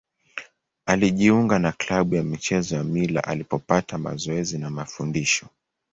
Alijiunga na klabu ya michezo ya Mila alipopata mazoezi na mafundisho.